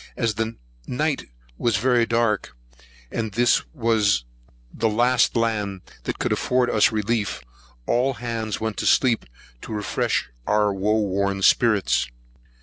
As the night was very dark, and this was the last land that could afford us relief, all hands went to sleep, to refresh our woe worn spirits.